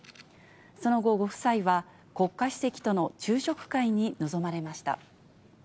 その後、ご夫妻は国家主席との昼食会に臨まれました。